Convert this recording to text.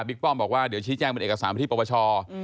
บิ๊กป้อมบอกว่าเดี๋ยวชี้แจ้งเป็นเอกสารพิธีประวัติศาสตร์